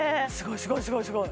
すごいすごいすごい！